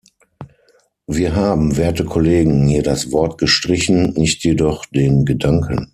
Wir haben, werte Kollegen, hier das Wort gestrichen, nicht jedoch den Gedanken.